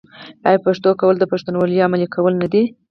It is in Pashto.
آیا پښتو کول د پښتونولۍ عملي کول نه دي؟